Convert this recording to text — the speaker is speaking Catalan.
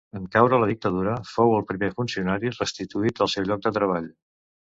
En caure la Dictadura, fou el primer funcionari restituït al seu lloc de treball.